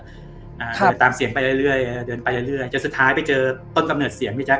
เดินตามเสียงไปเรื่อยเดินไปเรื่อยจนสุดท้ายไปเจอต้นกำเนิดเสียงพี่แจ๊